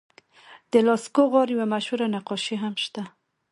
د لاسکو غار یوه مشهور نقاشي هم شته.